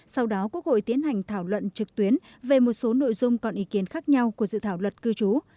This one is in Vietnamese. sau đó quốc hội tiến hành thảo luận trực tuyến về một số nội dung còn ý kiến khác nhau của dự thảo luật cư trú